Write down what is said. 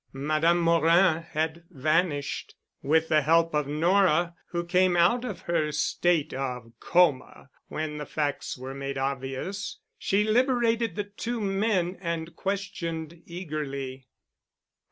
Madame Morin had vanished. With the help of Nora, who came out of her state of coma when the facts were made obvious, she liberated the two men and questioned eagerly.